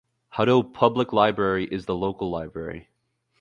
Hutto Public Library is the local library.